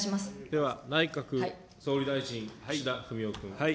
では、内閣総理大臣、岸田文雄君。